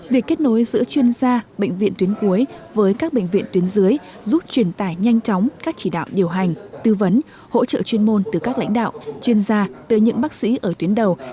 việc kết nối giữa chuyên gia bệnh viện tuyến cuối với các bệnh viện tuyến dưới giúp truyền tải nhanh chóng các chỉ đạo điều hành tư vấn hỗ trợ chuyên môn từ các lãnh đạo chuyên gia tới những bác sĩ ở tuyến đầu